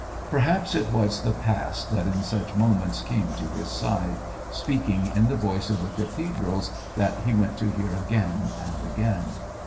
Perhaps it was the past that in such moments came to his side, speaking in the voice of the cathedrals that he went to hear again and again.